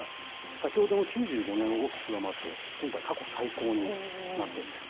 先ほどの９５年を大きく上回って、今回、過去最高になっているんです。